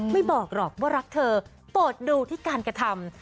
บอกหรอกว่ารักเธอโปรดดูที่การกระทำ